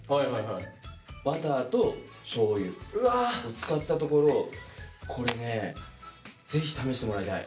バターとしょうゆを使ったところこれねぜひ試してもらいたい。